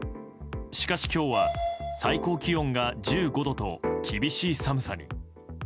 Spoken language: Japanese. しかし今日は最高気温が１５度と厳しい寒さに。